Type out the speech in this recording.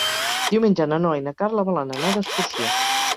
Diumenge na Noa i na Carla volen anar d'excursió.